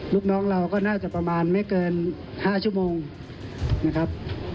ลูกน้องเราก็น่าจะประมาณไม่เกิน๕ชั่วโมงนะครับ